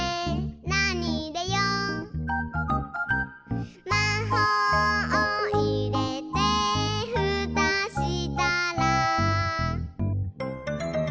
「なにいれよう？」「まほうをいれてふたしたら」